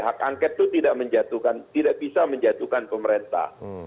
hak angket itu tidak bisa menjatuhkan pemerintah